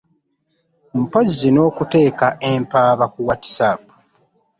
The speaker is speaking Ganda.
Mpozzi n'okuteeka empaaba ku Whatsapp